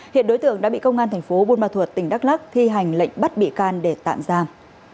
hiện đối tượng đã bị công an tp hcm tỉnh đắk lắc thi hành lệnh bắt bị can để tạm giam